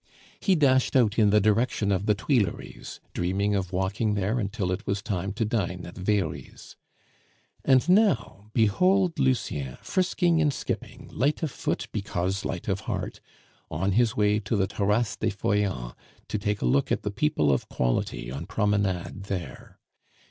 He dashed out in the direction of the Tuileries, dreaming of walking there until it was time to dine at Very's. And now, behold Lucien frisking and skipping, light of foot because light of heart, on his way to the Terrasse des Feuillants to take a look at the people of quality on promenade there.